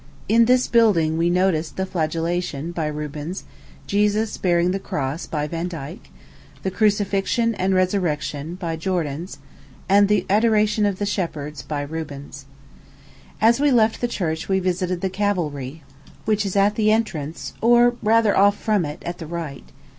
In this building we noticed the Flagellation, by Rubens; Jesus bearing the Cross, by Vandyke; the Crucifixion and Resurrection, by Jordaens; and the Adoration of the Shepherds, by Rubens. As we left the church, we visited the Calvary, which is at the entrance, or, rather, off from it, at the right.